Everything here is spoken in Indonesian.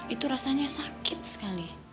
itu rasanya sakit sekali